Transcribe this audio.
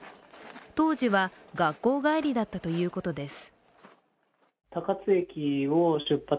当時は学校帰りだったということです。